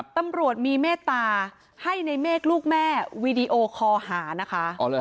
ตำรวจมีเมตตาให้ในเมฆลูกแม่วีดีโอคอหานะคะ